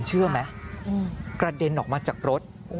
เชื่อไหมกระเด็นออกมาจากรถ